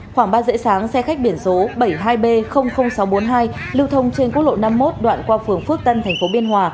khoảng ba giờ sáng xe khách biển số bảy mươi hai b sáu trăm bốn mươi hai lưu thông trên quốc lộ năm mươi một đoạn qua phường phước tân tp biên hòa